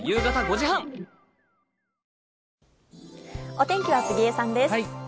お天気は杉江さんです。